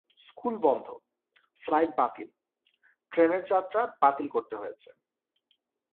School বন্ধ, flight বাতিল, ট্রেনের যাত্রা বাতিল করতে হয়েছে।